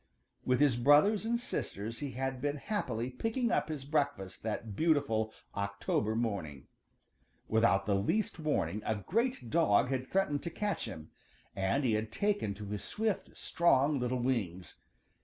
With his brothers and sisters he had been happily picking up his breakfast that beautiful October morning. Without the least warning a great dog had threatened to catch him, and he had taken to his swift, strong, little wings.